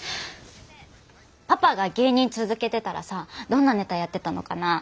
パパが芸人続けてたらさどんなネタやってたのかな？